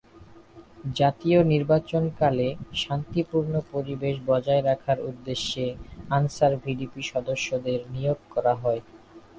জাতীয় নির্বাচনকালে শান্তিপূর্ণ পরিবেশ বজায় রাখার উদ্দেশ্যে আনসার-ভিডিপি সদস্যদের নিয়োগ করা হয়।